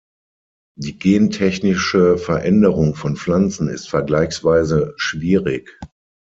Die gentechnische Veränderung von Pflanzen ist vergleichsweise schwierig.